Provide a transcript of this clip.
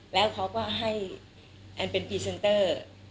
แล้วเขาก็ให้แอ้งเป็นราคาร